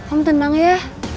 om tenang ya